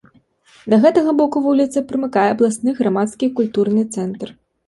Да гэтага боку вуліцы прымыкае абласны грамадскі культурны цэнтр.